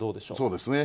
そうですね。